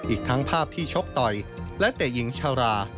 อีกทั้งภาพที่ชกต่อยและเตะหญิงชารา